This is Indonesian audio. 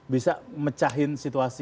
bisa mecahin situasi